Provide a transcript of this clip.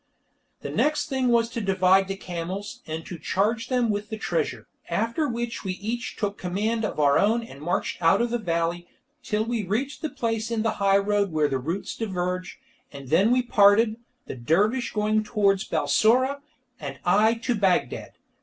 The next thing was to divide the camels, and to charge them with the treasure, after which we each took command of our own and marched out of the valley, till we reached the place in the high road where the routes diverge, and then we parted, the dervish going towards Balsora, and I to Bagdad.